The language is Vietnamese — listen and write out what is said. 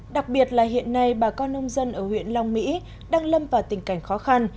đặc biệt là hiện nay bà con nông dân ở huyện long mỹ đang lâm vào tình cảnh khó khăn